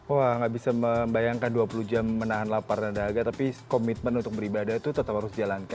wah nggak bisa membayangkan dua puluh jam menahan lapar dan daga tapi komitmen untuk beribadah itu tetap harus dijalankan